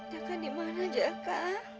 jaka dimana jaka